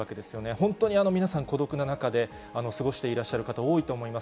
本当に皆さん、孤独な中で過ごしていらっしゃる方、多いと思います。